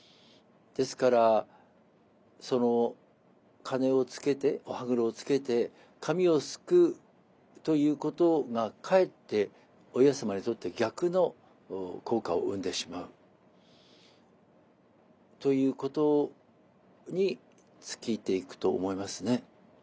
ですからその鉄漿をつけて鉄漿をつけて髪を梳くということがかえってお岩様にとって逆の効果を生んでしまうということに尽きていくと思いますね。